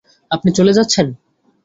আপনি চলে যাচ্ছেন?